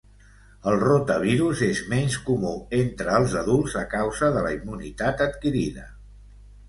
El rotavirus és menys comú entre els adults a causa de la immunitat adquirida.